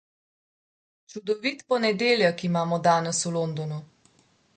Čudovit ponedeljek imamo danes v Londonu.